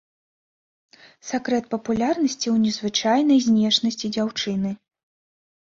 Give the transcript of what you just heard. Сакрэт папулярнасці ў незвычайнай знешнасці дзяўчыны.